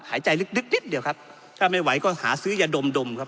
หายใจลึกนิดเดียวครับถ้าไม่ไหวก็หาซื้อยาดมดมครับ